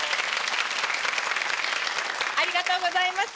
ありがとうございます。